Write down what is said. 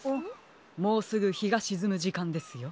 もうすぐひがしずむじかんですよ。